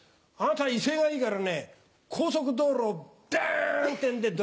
あなた威勢がいいからね高速道路をダン！